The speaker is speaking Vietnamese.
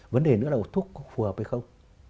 vấn đề nữa là thuốc có phù hợp hay không